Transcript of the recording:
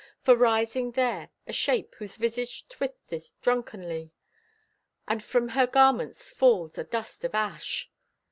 For rising there, a shape Whose visage twisteth drunkenly, And from her garments falls a dust of ash.